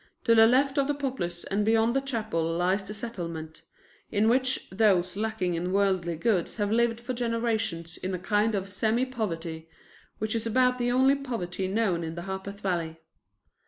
To the left of the Poplars and beyond the chapel lies the Settlement, in which those lacking in worldly goods have lived for generations in a kind of semi poverty, which is about the only poverty known in the Harpeth Valley.